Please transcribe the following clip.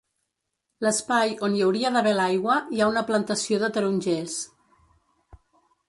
L'espai on hi hauria d'haver l'aigua hi ha una plantació de tarongers.